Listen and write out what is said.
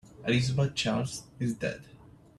Elizabeth Charles is dead.